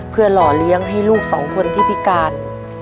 เพื่อหล่อเลี้ยงให้ลูกสองคนที่พิการ